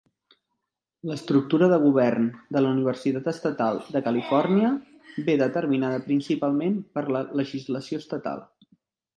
L'estructura de govern de la Universitat Estatal de Califòrnia ve determinada principalment per la legislació estatal.